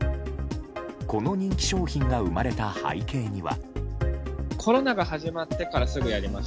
この人気商品が生まれた背景には。